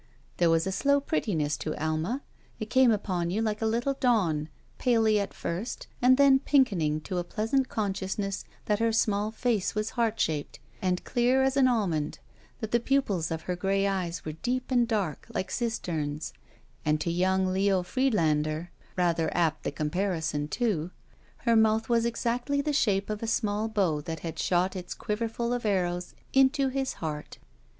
There was a slow prettiness to Alma. It came upon you like a little dawn, palely at first and then pinkening to a pleasant consciousness that her small face was heart shaped and clear as an almond, that the pupils of her gray eyes were deep and dark, like dstans, and to young Leo Friedlander (rather apt the comparison, too) her mouth was exactly the shape of a small bow that had shot its quiveif ul of arrows into his heart.